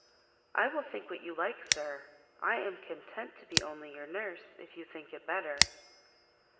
"I will think what you like, sir: I am content to be only your nurse, if you think it better."